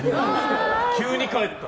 急に帰った。